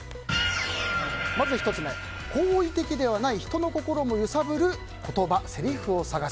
まず１つ目好意的ではない人の心も揺さぶる言葉・せりふを探す。